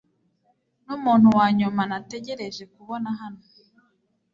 numuntu wanyuma nategereje kubona hano